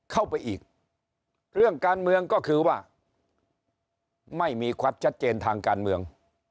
เข้าไปอีกเรื่องการเมืองก็คือว่าไม่มีความชัดเจนทางการเมือง